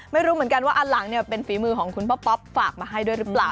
ไม่รู้เหมือนกันว่าอันหลังเป็นฝีมือของคุณพ่อป๊อปฝากมาให้ด้วยหรือเปล่า